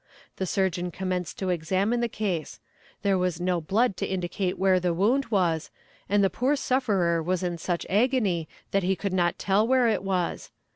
The surgeon commenced to examine the case; there was no blood to indicate where the wound was, and the poor sufferer was in such agony that he could not tell where it was.